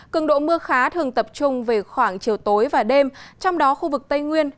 cường độ mưa khá thường tập trung về khoảng chiều tối và đêm trong đó khu vực tây nguyên